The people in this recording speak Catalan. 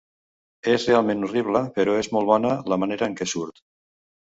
És realment horrible, però és molt bona la manera en què surt.